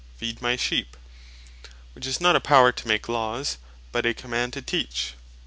"Feed my sheep;" which is not a Power to make Laws, but a command to Teach.